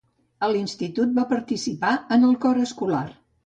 A l'institut va participar en el cor escolar.